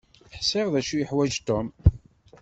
Ḥṣiɣ d acu yeḥwaǧ Tom.